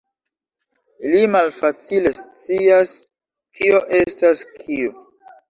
Li malfacile scias kio estas kio.